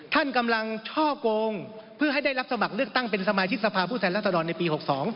ท่านกำลังช่อกงเพื่อให้ได้รับสมัครเลือกตั้งเป็นสมาชิกสภาพผู้แทนรัศดรในปี๖๒